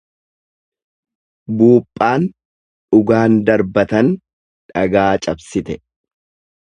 Buuphaan dhugaan darbatan dhagaa cabsite.